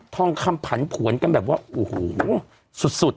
ทองคำผันผวนกันแบบว่าโอ้โหสุด